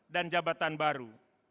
dan jabatan baru